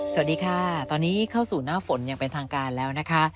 สวัสดีค่ะตอนนี้เข้าสู่หน้าฝนอย่างเป็นทางการแล้วนะคะ